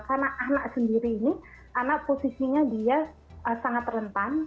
karena anak sendiri ini anak posisinya dia sangat rentan